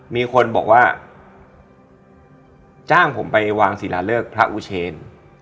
มีคนบอกว่าจ้างผมไปวางศิลาเลิกพระอุเชน